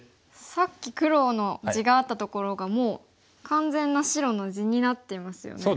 さっき黒の地があったところがもう完全な白の地になっていますよね。